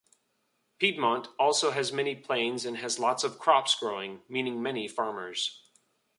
Piedmont also has many plains and has lots of crops growing, meaning many farmers.